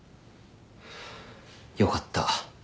よかった。